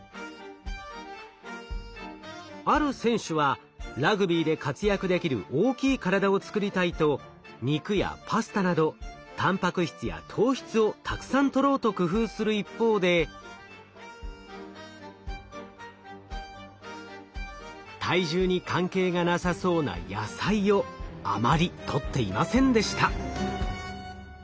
ある選手はラグビーで活躍できる大きい体を作りたいと肉やパスタなどたんぱく質や糖質をたくさんとろうと工夫する一方で体重に関係がなさそうな野菜をあまりとっていませんでした。